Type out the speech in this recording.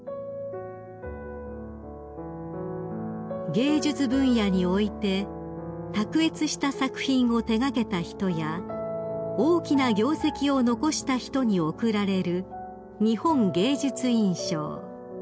［芸術分野において卓越した作品を手掛けた人や大きな業績を残した人に贈られる日本芸術院賞］